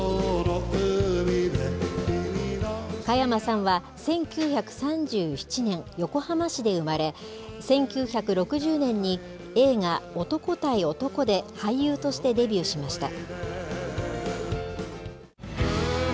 加山さんは、１９３７年、横浜市で生まれ、１９６０年に、映画、男対男で俳優としてデビューしました。